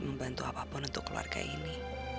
membantu apapun untuk keluarga ini